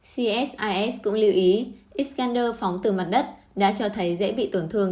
csis cũng lưu ý ixander phóng từ mặt đất đã cho thấy dễ bị tổn thương